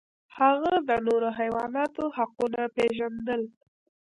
هغه د نورو حیواناتو حقونه پیژندل.